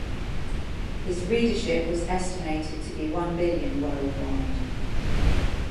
His readership was estimated to be one billion worldwide.